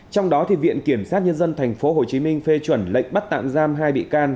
trong đó viện kiểm sát nhân dân tp hcm phê chuẩn lệnh bắt tạm giam hai bị can